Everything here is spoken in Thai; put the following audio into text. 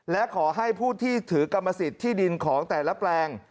และขอให้ผู้ที่ถือกรรมสิทธิ์ที่ดินของแต่ละแปลง